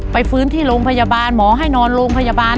ฟื้นที่โรงพยาบาลหมอให้นอนโรงพยาบาล